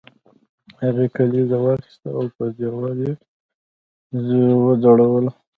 هغې کلیزه واخیسته او په دیوال یې په میخ وځړوله